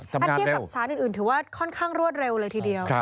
ถ้าเทียบกับสารอื่นถือว่าค่อนข้างรวดเร็วเลยทีเดียว